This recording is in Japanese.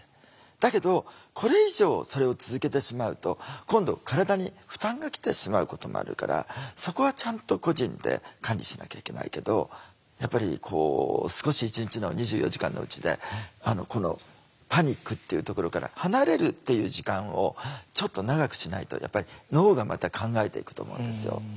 だけどこれ以上それを続けてしまうと今度体に負担がきてしまうこともあるからそこはちゃんと個人で管理しなきゃいけないけどやっぱりこう少し一日の２４時間のうちでパニックっていうところから離れるっていう時間をちょっと長くしないとやっぱり脳がまた考えていくと思うんですよ。